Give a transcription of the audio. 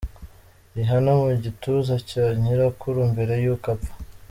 Rihanna mu gituza cya nyirakuru mbere y'uko apfa.